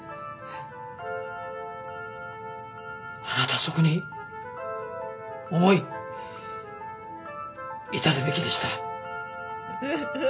あなたはそこに思い至るべきでした。